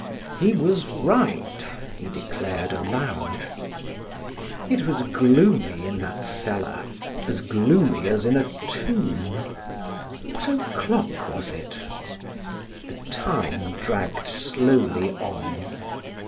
"He was right!" he declared aloud. It was gloomy in that cellar, as gloomy as in a tomb. What o'clock was it? The time dragged slowly on.